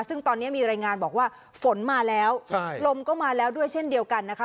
ซึ่งตอนนี้มีรายงานบอกว่าฝนมาแล้วลมก็มาแล้วด้วยเช่นเดียวกันนะคะ